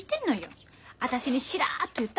私にしらっと言ったもんね。